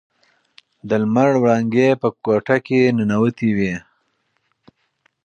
د لمر وړانګې په کوټه کې ننووتې دي.